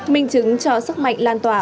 mình chứng cho sức mạnh lan tỏa